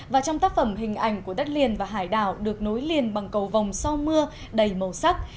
và trong tác phẩm hình ảnh của đất liền và hải đảo được nối liền bằng cầu vòng sau mưa đầy màu sắc